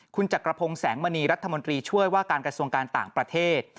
คุณจักรพงศ์แสงมณีรัฐมนตรีช่วยว่าการกระทรวงการต่างประเทศ